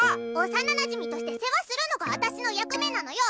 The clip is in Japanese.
幼なじみとして世話するのが私の役目なのよ！